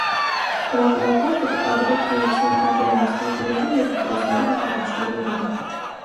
Բնականաբար կը տպագրենք միութեան տարբեր մասնաճիւղերու եւ դպրոցներու հետ առնչուող լուրերը։